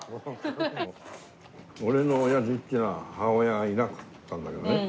俺の親父っていうのは母親がいなかったんだけどね